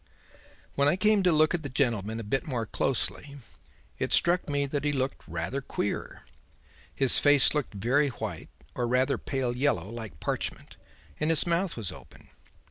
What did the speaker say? "'When I came to look at the gentleman a bit more closely, it struck me that he looked rather queer. His face looked very white, or rather pale yellow, like parchment, and his mouth was open.